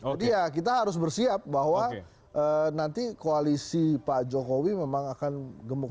jadi ya kita harus bersiap bahwa nanti koalisi pak jokowi memang akan gemuk